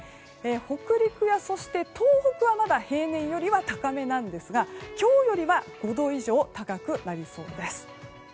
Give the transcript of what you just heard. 北陸や東北はまだ平年よりは高めなんですが今日よりは５度以上高くなりそうです。